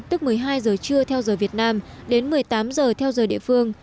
tức một mươi hai giờ trưa theo giờ việt nam đến một mươi tám giờ theo giờ địa phương